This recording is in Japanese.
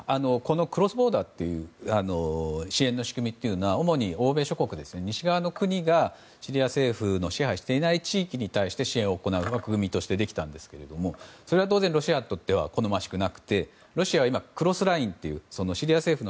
クロスボーダーという支援の仕組みというのは主に欧米諸国、西側の国がシリア政府の支配していない地域に対して支援を行う枠組みとしてできたんですけどそれは当然、ロシアにとっては好ましくなくてロシアは今、クロスラインというシリア政府と